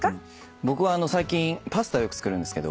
僕は最近パスタをよく作るんですけど。